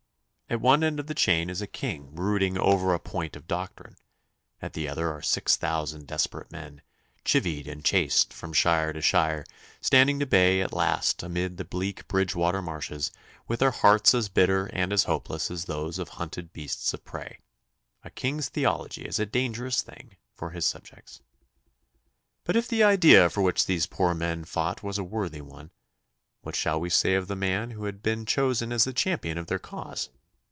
At one end of the chain is a king brooding over a point of doctrine; at the other are six thousand desperate men, chivied and chased from shire to shire, standing to bay at last amid the bleak Bridgewater marshes, with their hearts as bitter and as hopeless as those of hunted beasts of prey. A king's theology is a dangerous thing for his subjects. But if the idea for which these poor men fought was a worthy one, what shall we say of the man who had been chosen as the champion of their cause?